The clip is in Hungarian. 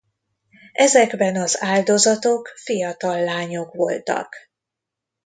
Ezekben az áldozatok fiatal lányok voltak.